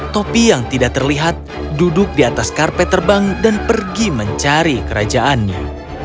topi yang tidak terlihat duduk di atas karpet terbang dan pergi mencari kerajaannya